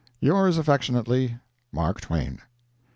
Yours, affectionately, MARK TWAIN.